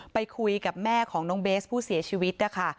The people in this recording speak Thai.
ไปคุยกับแม่ของน้องเบสผู้เสียชีวิตนะคะ